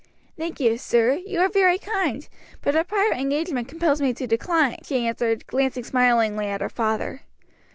"Thank you, sir, you are very kind, but a prior engagement compels me to decline," she answered, glancing smilingly at her father.